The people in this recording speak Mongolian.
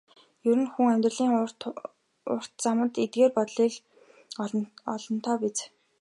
Ер нь хүн амьдралын урт замд эндэж осолдох нь олонтоо биз.